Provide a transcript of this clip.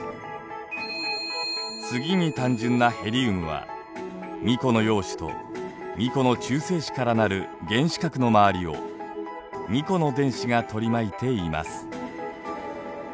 次に単純なヘリウムは２個の陽子と２個の中性子から成る原子核の周りを２個の電子が取り巻いています。